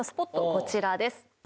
こちらです